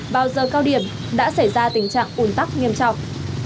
vào giờ cao điểm đã xảy ra tình trạng ủn tắc nghiêm trọng